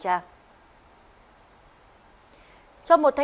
cả hai đều không đội mũ bảo hiểm